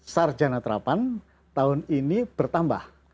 sarjana terapan tahun ini bertambah